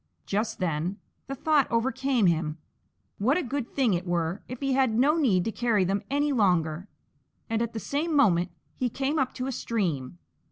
Just then the thought overcame him, what a good thing it were if he had no need to carry them any longer, and at the same moment he came up to a stream.